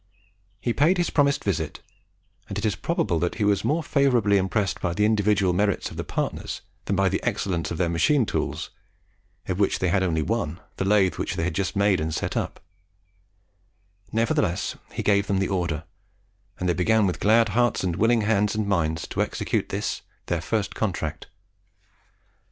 He paid his promised visit, and it is probable that he was more favourably impressed by the individual merits of the partners than by the excellence of their machine tools of which they had only one, the lathe which they had just made and set up; nevertheless he gave them the order, and they began with glad hearts and willing hands and minds to execute this their first contract.